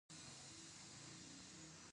د غزني په اجرستان کې د سرو زرو نښې شته.